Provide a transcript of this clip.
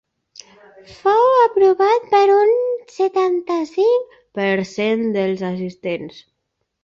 Fou aprovat per un setanta-cinc per cent dels assistents.